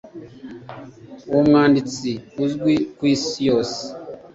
Uwo mwanditsi azwi kwisi yose